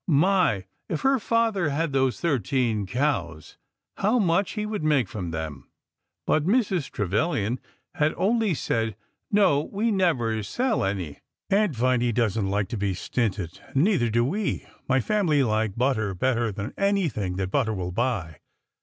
My ! If her father had those thirteen cows, how much he would make from them ! But Mrs. Trevilian had only said : No, we never sell any. Aunt Viny does n't like to be stinted, and neither do we. My family like butter better than anything that butter will buy."